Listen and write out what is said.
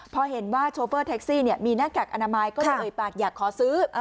พอเห็นว่าโชเฟอร์แท็กซี่มีหน้ากากอนามัยก็เลยเอ่ยปากอยากขอซื้อ